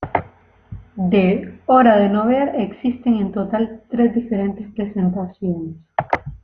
De "Hora de no ver" existen en total tres diferentes presentaciones.